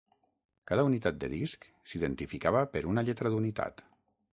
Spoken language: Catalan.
Cada unitat de disc s'identificava per una lletra d'unitat.